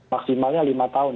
maksimalnya lima tahun